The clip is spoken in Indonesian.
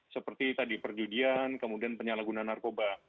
seperti tadi perjudian kemudian penyalahgunaan narkoba